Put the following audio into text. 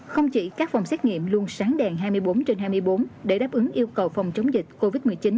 không chỉ các phòng xét nghiệm luôn sáng đèn hai mươi bốn trên hai mươi bốn để đáp ứng yêu cầu phòng chống dịch covid một mươi chín